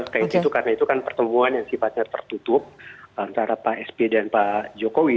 karena itu pertemuan yang sifatnya tertutup antara pak sby dan pak jokowi